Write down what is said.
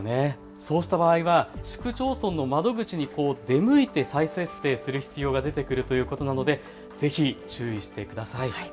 そうした場合は市区町村の窓口で出向いて再設定する必要が出てくるということなのでぜひ注意してください。